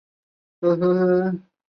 这类病患俗称为植物人。